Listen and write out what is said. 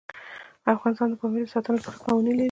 افغانستان د پامیر د ساتنې لپاره قوانین لري.